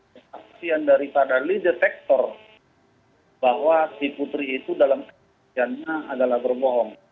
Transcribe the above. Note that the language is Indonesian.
kekasian daripada lidetektor bahwa si putri itu dalam kejadiannya adalah berbohong